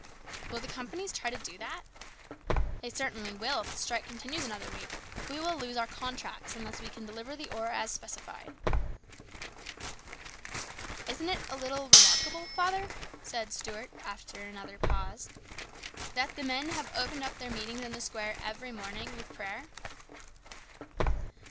" Will the companies try to do that ?" "They certainly will if the strike continues another week. We lose our contracts unless we can deliver the ore as specified." "Isn't it a little remarkable, father," said Stuart after another pause, " that the men have opened their meetings in the square every morning with prayer?"